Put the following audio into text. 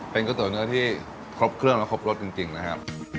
เป็นกระต่อเนื้อที่ครบเครื่องและครบรสจริงจริงนะฮะ